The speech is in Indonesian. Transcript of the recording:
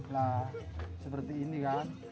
nah seperti ini kan